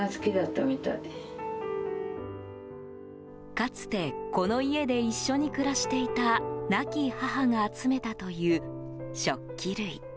かつて、この家で一緒に暮らしていた亡き母が集めたという食器類。